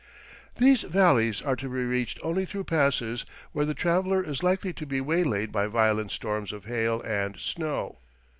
These valleys are to be reached only through passes where the traveler is likely to be waylaid by violent storms of hail and snow.